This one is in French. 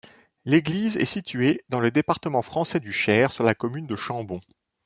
L'église est située dans le département français du Cher, sur la commune de Chambon.